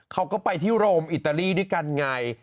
เขาก็ไปที่โรมอิตาลีด้วยกันไง